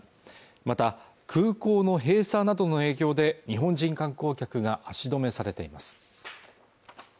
また空港の閉鎖などの影響で日本人観光客が足止めされています